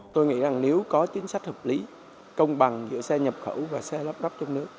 tôi nghĩ rằng nếu có chính sách hợp lý công bằng giữa xe nhập khẩu và xe lắp rắp trong nước